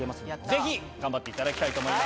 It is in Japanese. ぜひ頑張っていただきたいと思います。